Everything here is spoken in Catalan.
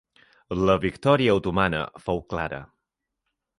La victòria otomana fou clara.